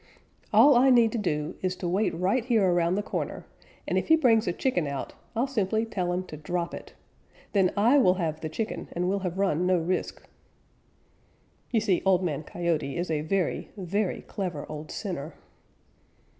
All I need do is to wait right here around the corner, and if he brings a chicken out, I'll simply tell him to drop it. Then I will have the chicken and will have run no risk." You see Old Man Coyote is a very, very clever old sinner.